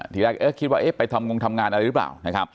ทีแรกคิดว่าเอ๊ะไปทำงงทำงานอะไรหรือเปล่านะครับ